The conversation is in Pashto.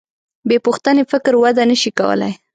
بېپوښتنې فکر وده نهشي کولی.